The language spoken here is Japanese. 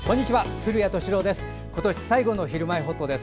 古谷敏郎です。